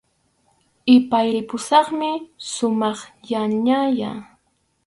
Ipay, ripusaqmi sumaqllañayá